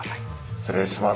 失礼します。